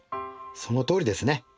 そのとおりですね。